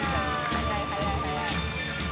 速い速い速い。